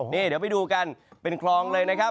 นี่เดี๋ยวไปดูกันเป็นคลองเลยนะครับ